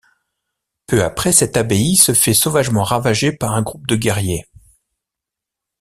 Peu après, cette abbaye se fait sauvagement ravager par un groupe de guerriers...